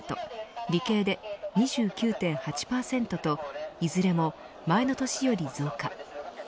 理系で２９．８％といずれも前の年より増加。